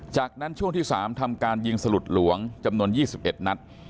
จากนั้นช่วงที่๓ทำการยิงสลุดหลวงจำนวน๒๑นัด